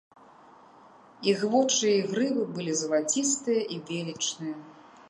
Іх вочы і грывы былі залацістыя і велічныя.